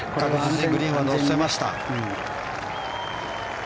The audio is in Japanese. グリーンに乗せました。